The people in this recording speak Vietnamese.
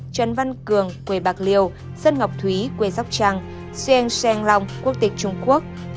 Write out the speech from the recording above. trân văn cường quê bạc liêu sơn ngọc thúy quê dóc trăng xuên xen long quốc tịch trung quốc